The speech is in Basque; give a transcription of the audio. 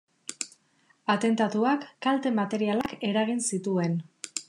Atentatuak kalte materialak eragin zituen.